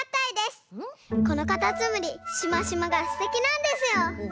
このカタツムリシマシマがすてきなんですよ。